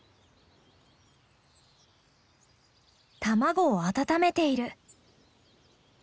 卵を温めている。